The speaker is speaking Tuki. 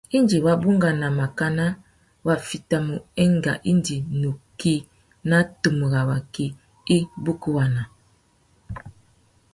Indi wa bungana makana wa fitimú enga indi nukí na tumu râ waki i bukuwana.